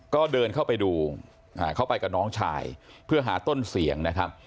ก็เดินเข้าไปดูเข้าไปกับน้องชายเพื่อหาต้นเสียงนะครับ